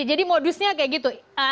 jadi modusnya kayak gitu